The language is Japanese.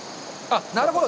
なるほど！